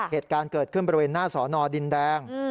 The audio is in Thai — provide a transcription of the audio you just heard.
เหตุการณ์เกิดขึ้นบริเวณหน้าสอนอดินแดง